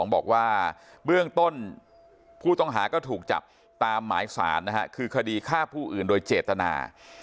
บอกว่าเบื้องต้นผู้ต้องหาก็ถูกจับตามหมายสารคือคดีฆ่าผู้อื่นโดยเจตนา